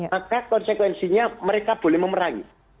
maka konsekuensinya mereka boleh memerangi